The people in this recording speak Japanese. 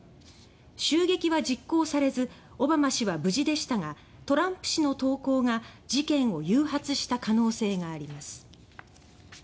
襲撃は実行されずオバマ氏は無事でしたがトランプ氏の投稿が事件を誘発した可能性があります。